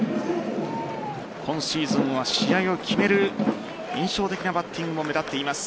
今シーズンは試合を決める印象的なバッティングも目立っています。